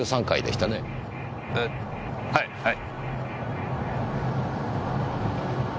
えはいはい。